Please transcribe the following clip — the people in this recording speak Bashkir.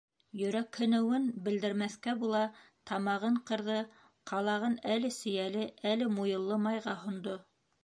Йөрәкһенеүен белдермәҫкә була тамағын ҡырҙы, ҡалағын әле сейәле, әле муйыллы майға һондо: